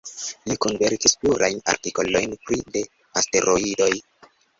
Li kunverkis plurajn artikolojn pri de asteroidoj.